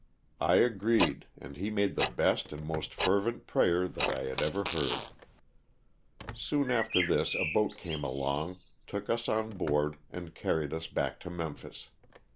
I agreed, and he made the best and most fervent prayer that I had ever heard. Soon after this a boat came along, took us on board and carried us back to Memphis.